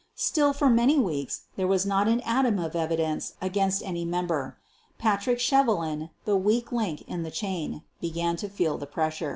Still, for many weeks, there was not an atom of evidence against any member. Patrick Shevelin, the weak link of the chain, began to feel the pressure.